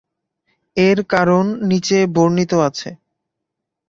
এর কারণ নিচে বর্ণিত আছে।